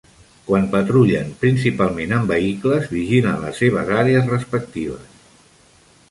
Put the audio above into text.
Quan patrullen, principalment en vehicles, vigilen les seves àrees respectives.